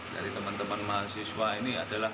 dari teman teman mahasiswa ini adalah